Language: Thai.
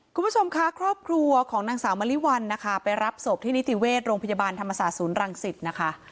คุณผู้ชมค่ะครอบครัวของนางสาวมะลิวัลนะคะไปรับศพที่นิติเวชโรงพยาบาลธรรมศาสตร์ศูนย์รังสิตนะคะ